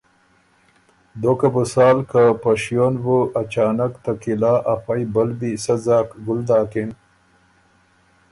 دوکه بو سال که په شیو ن بُو اچانک ته قلعه ا فئ بلبی سۀ ځاک ګُل داکِن